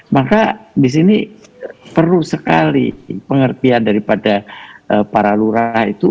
maka di sini perlu sekali pengertian daripada para lurah itu